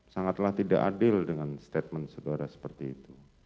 sangatlah tidak adil dengan statement saudara seperti itu